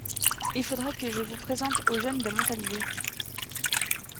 Il faudra que je vous présente au jeune de Montalivet.